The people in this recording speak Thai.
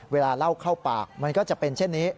เวลาเล่าเข้าปากมันก็จะเป็นเช่นนี้